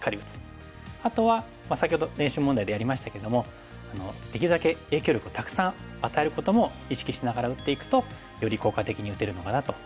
あとは先ほど練習問題でやりましたけどもできるだけ影響力をたくさん与えることも意識しながら打っていくとより効果的に打てるのかなと思いますね。